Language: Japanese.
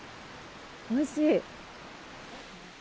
おいしい。